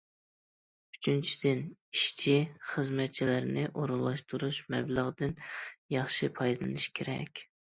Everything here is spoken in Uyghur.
ئۈچىنچىدىن، ئىشچى- خىزمەتچىلەرنى ئورۇنلاشتۇرۇش مەبلىغىدىن ياخشى پايدىلىنىش كېرەك.